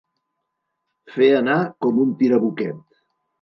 Fer anar com un tirabuquet.